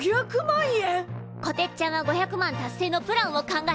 こてっちゃんは５００万達成のプランを考えて。